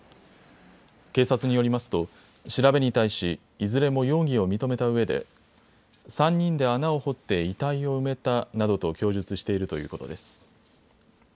警察によりますと調べに対しいずれも容疑を認めたうえで３人で穴を掘って遺体を埋めたなどと供述しているということです。